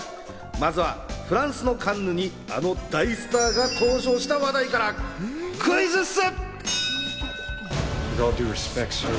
まずはフランスのカンヌにあの大スターが登場した話題からクイズッス！